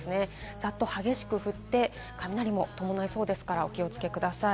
ザッと激しく降って、雷も伴いそうですからお気をつけください。